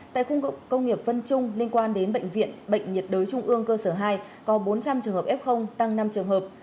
tại cung công nghiệp vân trung liên quan đến bệnh viện bệnh nhiệt đới trung ương cơ sở hai có bốn trăm linh trường hợp f tăng năm trường hợp